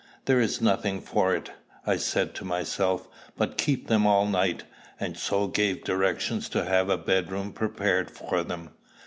"There is nothing for it," I said to myself, "but keep them all night," and so gave directions to have a bedroom prepared for them.